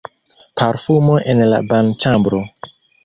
Parfumo en la banĉambro.